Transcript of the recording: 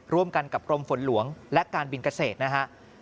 ร่วมกันกับกรมฝนหลวงและการบินเกษตรนะฮะ